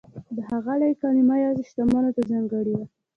د "ښاغلی" کلمه یوازې شتمنو ته ځانګړې وه.